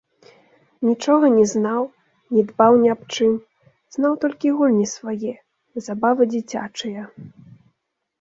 Нічога не знаў, не дбаў ні аб чым, знаў толькі гульні свае, забавы дзіцячыя.